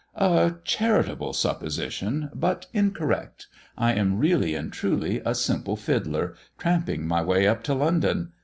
"A charitable supposition, but incorrect. I am really and truly a simple fiddler, tramping my way up to London.